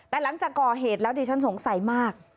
แต่หลังจากก่อเหตุแล้วดิฉันสงสัยมาก